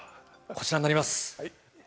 こちらになります。